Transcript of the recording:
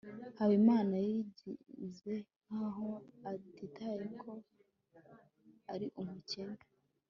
habimana yigize nkaho atitaye ko ari umukene